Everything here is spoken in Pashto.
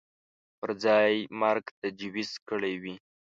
پر ځای مرګ تجویز کړی وي